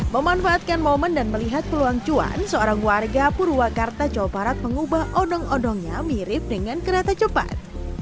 memanfaatkan momen dan melihat peluang cuan seorang warga purwakarta jawa barat mengubah odong odongnya mirip dengan kereta cepat